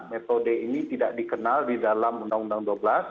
metode ini tidak dikenal di dalam undang undang dua belas